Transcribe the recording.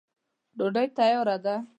ډوډی تیاره ده.